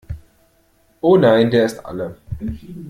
Oh nein, der ist alle!